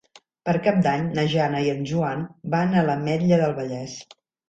Per Cap d'Any na Jana i en Joan van a l'Ametlla del Vallès.